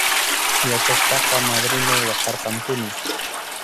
Yachaspaqa madrinay waqarqanpunim.